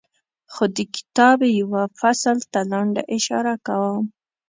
خو د کتاب یوه فصل ته لنډه اشاره کوم.